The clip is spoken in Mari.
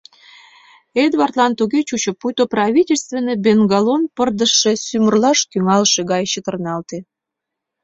Эдвардлан туге чучо, пуйто правительственный бенгалон пырдыжше сӱмырлаш тӱҥалше гай чытырналте.